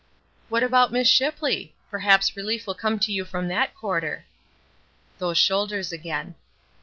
"What about Miss Shipley? Perhaps relief will come to you from that quarter." Those shoulders again.